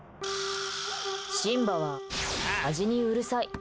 シンバは味にうるさい。